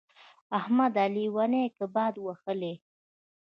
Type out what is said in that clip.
احمده! لېونی يې که باد وهلی يې.